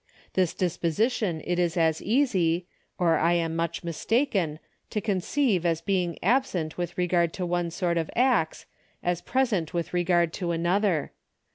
... This disposition it is as easy, or I am much mistaken, to conceive as being absent with regard to one sort of acts, as present with regard to another.